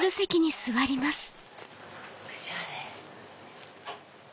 おしゃれ！